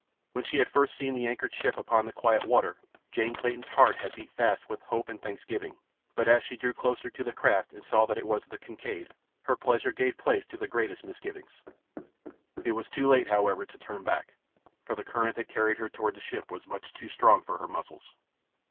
When she had first seen the anchored ship upon the quiet water, Jane Clayton's heart had beat fast with hope and thanksgiving, but as she drew closer to the craft and saw that it was the Kincaid, her pleasure gave place to the gravest misgivings. It was too late, however, to turn back, for the current that carried her toward the ship was much too strong for her muscles.